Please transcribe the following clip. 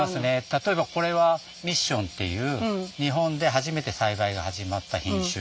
例えばこれはミッションっていう日本で初めて栽培が始まった品種。